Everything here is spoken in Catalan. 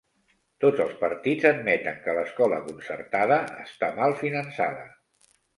Tots els partits admeten que l'escola concertada està mal finançada.